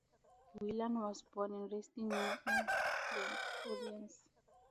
Willard was born and raised in New Orleans.